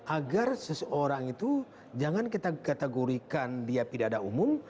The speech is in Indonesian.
agar seseorang itu jangan kita kategorikan dia pidana umum